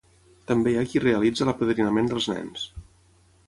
També hi ha qui realitza l'apadrinament dels nens.